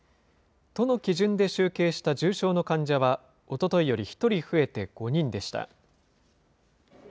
都の基準で集計した重症の患者は、おとといより１人増えて５人でした。